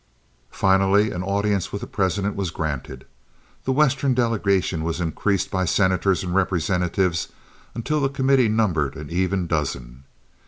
Finally an audience with the President was granted. The Western delegation was increased by senators and representatives until the committee numbered an even dozen.